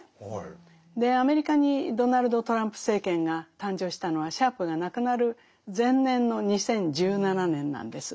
アメリカにドナルド・トランプ政権が誕生したのはシャープが亡くなる前年の２０１７年なんです。